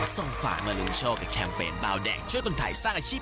ทรงฝากมาลุโชคแคมเปญบาวแดงช่วยตนไทยสร้างอาชีพ